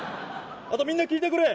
あと、みんな聞いてくれ。